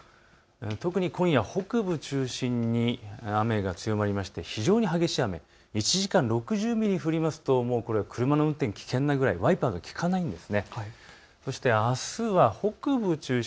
特に今夜、北部中心に雨が強まって非常に激しい雨、１時間に６０ミリ降りますと車の運転、危険なくらいワイパーがきかないんです。